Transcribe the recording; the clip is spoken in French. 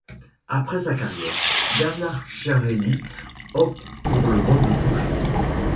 Après sa carrière, Bernard Chiarelli opte pour le banc de touche.